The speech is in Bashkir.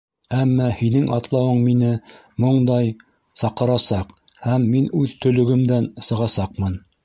Әммә һинең атлауың мине, моңдай, саҡырасаҡ, һәм мин үҙ төлөгөмдән сығасаҡмын.